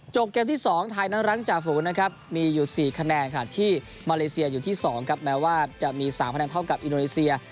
เกมที่๒ไทยนั้นรังจ่าฝูงนะครับมีอยู่๔คะแนนค่ะที่มาเลเซียอยู่ที่๒ครับแม้ว่าจะมี๓คะแนนเท่ากับอินโดนีเซีย